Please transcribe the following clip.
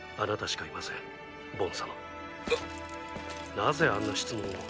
なぜあんな質問を？